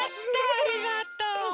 ありがとう。